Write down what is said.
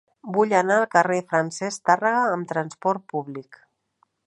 Vull anar al carrer de Francesc Tàrrega amb trasport públic.